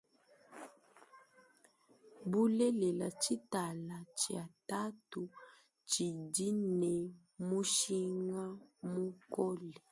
Bulelela tshitala tshia tatu tshidine mushinga mukole.